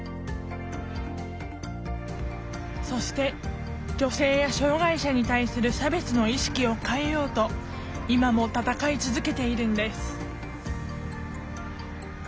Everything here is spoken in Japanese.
そして女性や障害者に対する差別の意識を変えようと今も戦い続けているんです